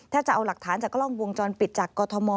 ถ้าจะเอาหลักฐานจากกล้องวงจรปิดจากกรทม